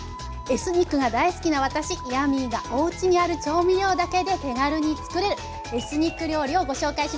エスニックが大好きな私ヤミーがおうちにある調味料だけで手軽に作れるエスニック料理をご紹介します。